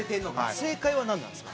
正解はなんなんですか？